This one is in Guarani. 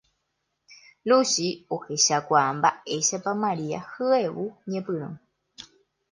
Luchi ohechakuaa mba'éichapa Maria hyevu ñepyrũ